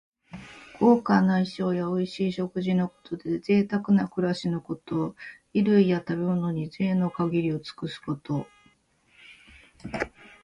豪華な衣装やおいしい食事のことで、ぜいたくな暮らしのこと。衣類や食べ物に、ぜいの限りを尽くすこと。